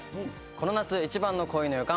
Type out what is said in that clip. この夏一番の恋の予感。